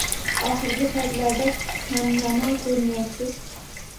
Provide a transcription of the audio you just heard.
Oxirgi paytlarda kamnamo ko`rinayapsiz